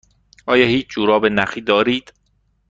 آیا هیچ جوراب نخی دارید؟